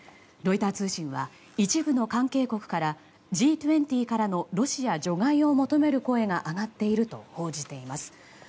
ロイター通信は一部の関係国からＧ２０からのロシア除外を求める声が上がっていると報じています。